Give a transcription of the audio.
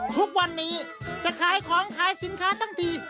ทุกวันนี้จะขายของขายสินค้าทั้งที